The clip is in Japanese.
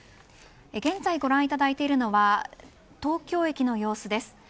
現在、ご覧いただいているのは東京駅の様子です。